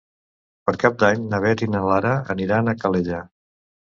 Per Cap d'Any na Beth i na Nara aniran a Calella.